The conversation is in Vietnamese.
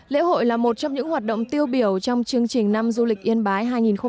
lễ hội là một trong những hoạt động tiêu biểu trong chương trình năm du lịch yên bái hai nghìn hai mươi